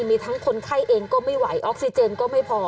มีทั้งคนไข้เองก็ไม่ไหวออกซิเจนก็ไม่พอ